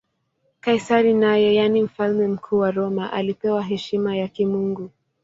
Kaisari naye, yaani Mfalme Mkuu wa Roma, alipewa heshima ya kimungu.